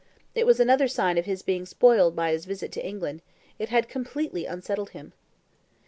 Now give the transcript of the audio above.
It was another sign of his being spoiled by his visit to England it had completely unsettled him.